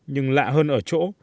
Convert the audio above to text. nhưng lạ hơn ở chỗ